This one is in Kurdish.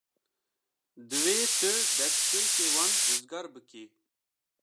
Divê tu destpêkê wan rizgar bikî.